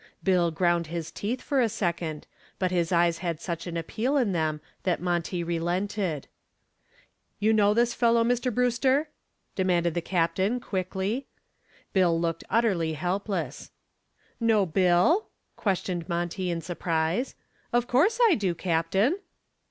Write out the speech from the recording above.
Bill ground his teeth for a second, but his eyes had such an appeal in them that Monty relented. "You know this fellow, Mr. Brewster?" demanded the captain, quickly. Bill looked utterly helpless. "Know Bill?" questioned Monty in surprise. "Of course I do, Captain."